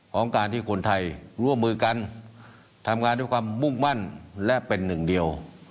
ของการที่คนไทยร่วมมือกันทำงานด้วยความมุ่งมั่นและเป็นหนึ่งเดียว